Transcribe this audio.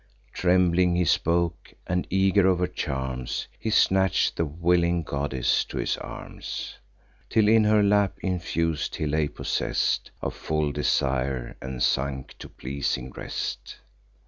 Trembling he spoke; and, eager of her charms, He snatch'd the willing goddess to his arms; Till in her lap infus'd, he lay possess'd Of full desire, and sunk to pleasing rest.